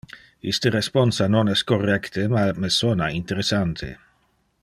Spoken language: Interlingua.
Iste responsa non es correcte, ma me sona interessante.